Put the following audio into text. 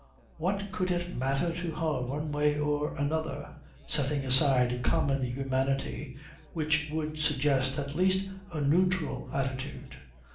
What could it matter to her one way or another setting aside common humanity which would suggest at least a neutral attitude.